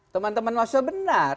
teman teman maksudnya benar